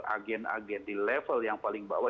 agen agen di level yang paling bawah